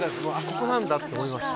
ここなんだって思いました